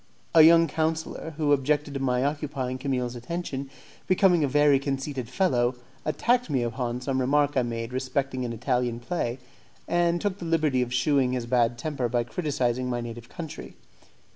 A young councillor, who objected to my occupying Camille's attention, being a very conceited fellow, attacked me upon some remark I made respecting an Italian play, and took the liberty of shewing his bad temper by criticizing my native country.